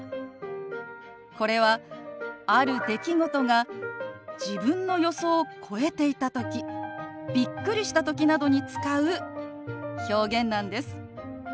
これはある出来事が自分の予想を超えていたときびっくりしたときなどに使う表現なんです。